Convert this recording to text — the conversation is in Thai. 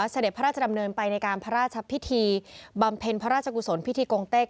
เสด็จพระราชดำเนินไปในการพระราชพิธีบำเพ็ญพระราชกุศลพิธีกงเต็ก